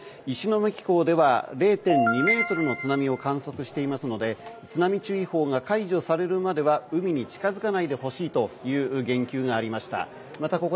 石巻港では０．２ｍの津波を観測していますので津波注意報が解除されるまでは海に近づかないでほしいと言及がありました。